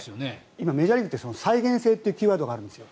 今メジャーリーグって再現性というキーワードがあるんですよ。